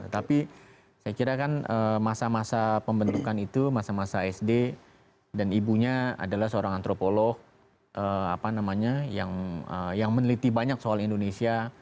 tapi saya kira kan masa masa pembentukan itu masa masa sd dan ibunya adalah seorang antropolog yang meneliti banyak soal indonesia